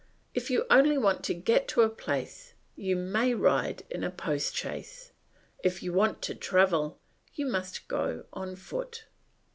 If you only want to get to a place you may ride in a post chaise; if you want to travel you must go on foot.